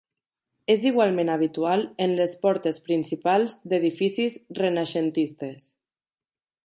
És igualment habitual en les portes principals d'edificis renaixentistes.